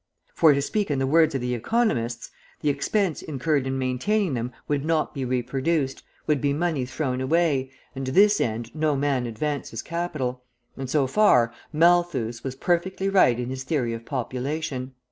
For, to speak in the words of the economists, the expense incurred in maintaining them would not be reproduced, would be money thrown away, and to this end no man advances capital; and, so far, Malthus was perfectly right in his theory of population.